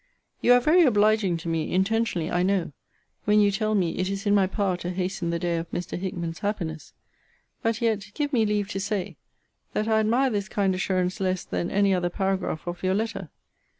You are very obliging to me, intentionally, I know, when you tell me, it is in my power to hasten the day of Mr. Hickman's happiness. But yet, give me leave to say, that I admire this kind assurance less than any other paragraph of your letter.